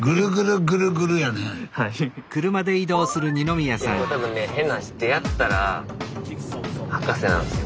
いやこれ多分ね変な話出会ったら博士なんすよ。